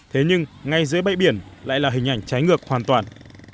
thế nhưng ngay dưới bãi biển lại là hình ảnh trái ngược hoàn toàn